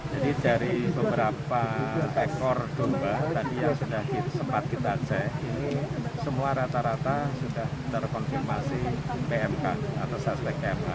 jadi dari beberapa ekor domba yang sudah kita cek ini semua rata rata sudah terkonfirmasi pmk atau saspek pmk